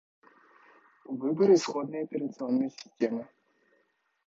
Выбор исходной операционной системы